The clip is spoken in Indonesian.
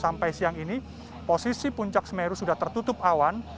sampai siang ini posisi puncak semeru sudah tertutup awan